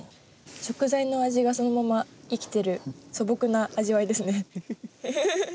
食材の味がそのまま生きてる素朴な味わいですね。